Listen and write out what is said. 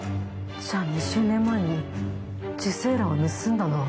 じゃあ２０年前に受精卵を盗んだのは。